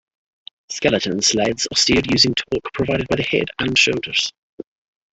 Skeleton sleds are steered using torque provided by the head and shoulders.